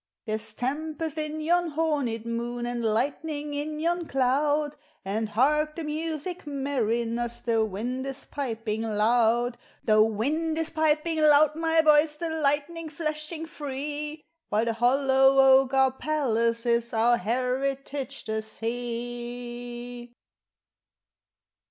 There 's tempest in yon horned moon, And lightning in yon cloud; And hark the music, mariners! The wind is piping loud, — The wind is piping loud, my boys, The lightning flashing free; While the hollow oak our palace is, Our heritage the sea.